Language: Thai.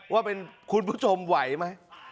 ว่าเป็นคุณผู้ชมไหวไหม